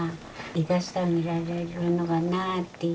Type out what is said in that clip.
生かしてあげられるのかなぁって。